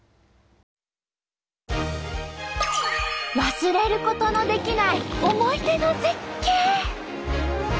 忘れることのできない思い出の絶景！